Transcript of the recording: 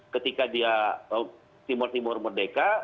ketika timur timur merdeka